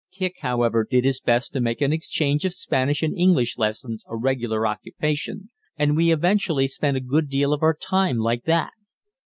Kicq, however, did his best to make an exchange of Spanish and English lessons a regular occupation, and we eventually spent a good deal of our time like that.